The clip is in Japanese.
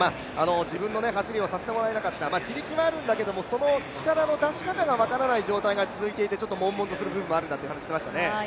自分の走りをさせてもらえなかった、地力はあるんだけれども、その力の出し方が分からない状態が続いていて、ちょっともんもんとするんだと話していましたね。